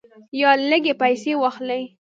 یا لږې پیسې واخلې.